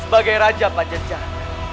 sebagai raja pajajara